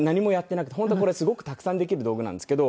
本当はこれすごくたくさんできる道具なんですけど。